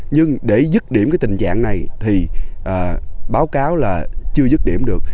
nhưng để dứt điểm cái tình trạng này thì báo cáo là chưa dứt điểm được